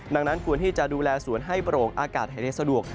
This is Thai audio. ดังนั้นควรที่จะดูแลสวนให้โปร่งอากาศให้ได้สะดวก